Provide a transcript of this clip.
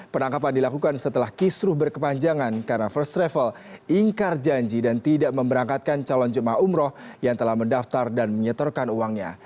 penangkapan dilakukan setelah kisruh berkepanjangan karena first travel ingkar janji dan tidak memberangkatkan calon jemaah umroh yang telah mendaftar dan menyetorkan uangnya